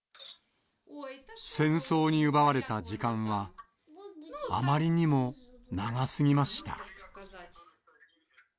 戦争に奪われた時間はあまりにも長すぎました。